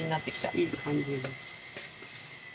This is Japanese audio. いい感じで。